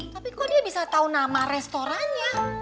tapi kok dia bisa tahu nama restorannya